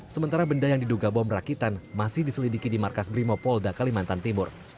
sementara benda yang diduga bom rakitan masih diselidiki di markas brimo polda kalimantan timur